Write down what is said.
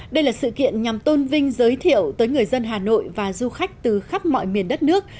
đây là sự kiện nhằm tôn vinh giới thiệu tới người dân hà nội và du khách từ khắp mọi miền đất nước